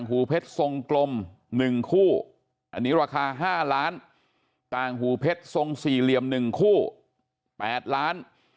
หูเพชรทรงกลม๑คู่อันนี้ราคา๕ล้านต่างหูเพชรทรงสี่เหลี่ยม๑คู่๘ล้าน